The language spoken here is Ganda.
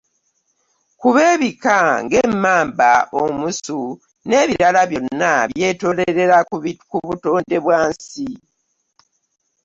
Kuba ebika ng'Emmamba, Omusu n'ebirala, byonna byetooloolera ku butonde bwansi.